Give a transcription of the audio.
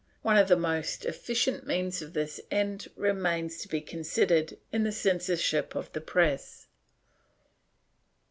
One of the most efficient means to this end remains to be consid ered in the censorship of the press.